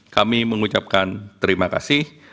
kami mengucapkan terima kasih